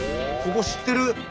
ここ知ってる。